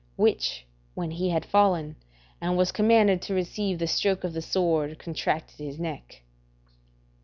Which, when he had fallen and was commanded to receive the stroke of the sword, contracted his neck."